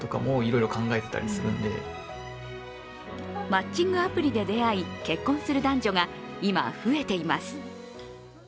マッチングアプリで出会い結婚する男女が今、増えています